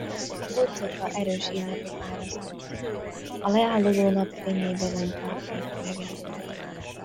A bodzafa erős illatot árasztott, a leáldozó nap fényébe vonta a két öreget.